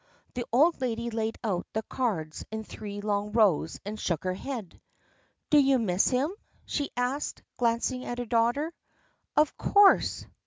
The old lady laid out the cards in three long rows and shook her head. "Do you miss him?" she asked, glancing at her daughter. "Of course."